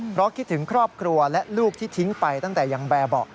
เพราะคิดถึงครอบครัวและลูกที่ทิ้งไปตั้งแต่ยังแบบเบาะ